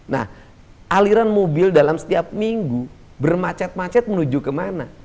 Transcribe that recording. nah aliran mobil dalam setiap minggu bermacet macet menuju kemana